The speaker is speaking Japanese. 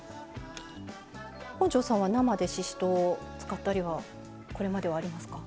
本上さんは生でししとうを使ったりはこれまではありますか？